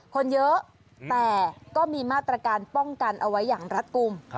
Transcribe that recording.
คนเยอะแต่ก็มีมาตรการป้องกันเอาไว้อย่างรัฐกลุ่ม